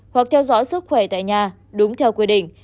hoặc theo dõi sức khỏe tại nhà đúng theo quy định